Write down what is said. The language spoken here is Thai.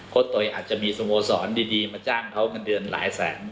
ตัวเองอาจจะมีสโมสรดีมาจ้างเขาเงินเดือนหลายแสน